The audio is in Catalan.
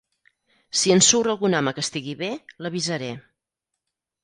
Si en surt algun home que estigui bé, l'avisaré.